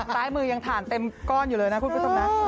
ซ้ายมือยังถ่านเต็มก้อนอยู่เลยนะคุณผู้ชมนะ